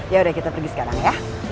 yaudah kita pergi sekarang ya